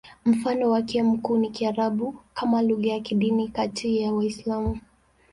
Mfano wake mkuu ni Kiarabu kama lugha ya kidini kati ya Waislamu.